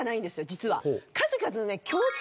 実は。